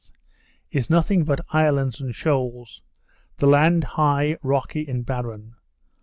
is nothing but islands and shoals; the land high, rocky, and barren.